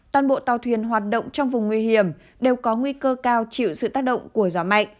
toàn bộ tàu thuyền hoạt động trong vùng nguy hiểm đều có nguy cơ cao chịu sự tác động của gió mạnh